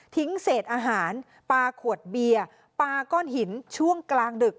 เศษอาหารปลาขวดเบียร์ปลาก้อนหินช่วงกลางดึก